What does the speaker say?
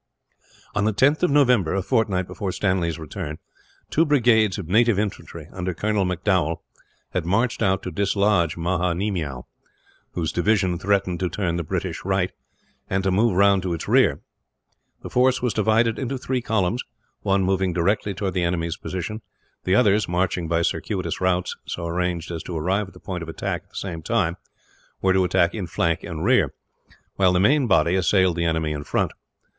On the 10th of November, a fortnight before Stanley's return, two brigades of native infantry under Colonel M'Dowall had marched out to dislodge Maha Nemiow; whose division threatened to turn the British right, and to move round to its rear. The force was divided into three columns; one moving directly towards the enemy's position, the others marching by circuitous routes, so arranged as to arrive at the point of attack at the same time were to attack in flank and rear, while the main body assailed the enemy in front.